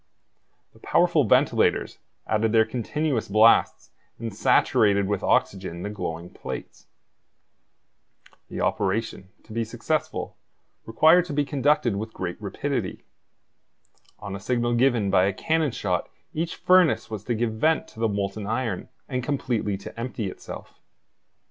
The powerful ventilators added their continuous blasts and saturated with oxygen the glowing plates. The operation, to be successful, required to be conducted with great rapidity. On a signal given by a cannon shot each furnace was to give vent to the molten iron and completely to empty itself.